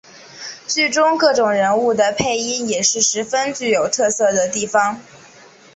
剧中各种人物的配音也是十分具有特色的地方。